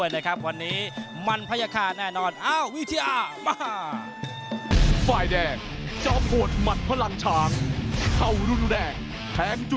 และแพลวิทยาลมใช้มาด้วยนะครับ